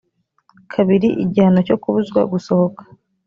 kabiri igihano cyo kubuzwa gusohoka